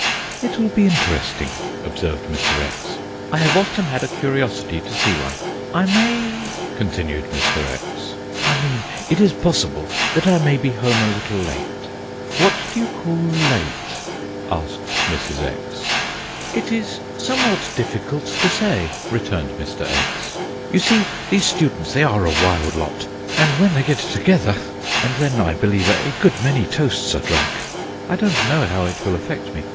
"It will be interesting," observed Mr. X. "I have often had a curiosity to see one. I may," continued Mr. X., "I mean it is possible, that I may be home a little late." "What do you call late?" asked Mrs. X. "It is somewhat difficult to say," returned Mr. X. "You see these students, they are a wild lot, and when they get together And then, I believe, a good many toasts are drunk. I don't know how it will affect me.